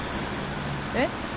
えっ？